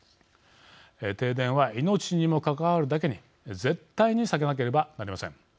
停電は命にも関わるだけに絶対に避けなければなりません。